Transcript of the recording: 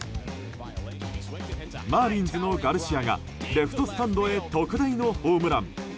マーリンズのガルシアがレフトスタンドへ特大のホームラン。